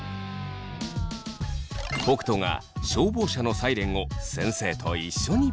北斗が消防車のサイレンを先生と一緒に。